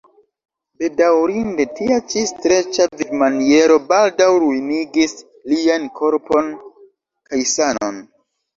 Bedaŭrinde tia ĉi streĉa vivmaniero baldaŭ ruinigis liajn korpon kaj sanon.